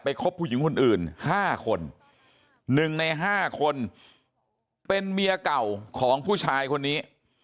คบผู้หญิงคนอื่น๕คน๑ใน๕คนเป็นเมียเก่าของผู้ชายคนนี้